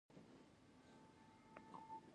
ځینې خلک شعارونو ته اهمیت ورنه کړي.